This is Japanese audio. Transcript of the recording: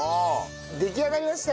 出来上がりました。